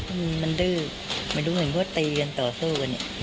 อืมมันดื้อไม่รู้เหมือนพวกตีกันต่อโฆกันเนี่ย